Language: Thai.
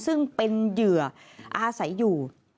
ซึ่งเป็นเหยื่ออาศัยอยู่